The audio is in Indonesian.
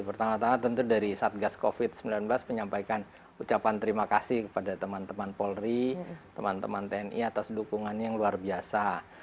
pertama tama tentu dari satgas covid sembilan belas menyampaikan ucapan terima kasih kepada teman teman polri teman teman tni atas dukungan yang luar biasa